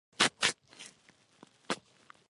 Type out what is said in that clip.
دا د کیفي څېړنې لپاره نظري اډانه جوړوي.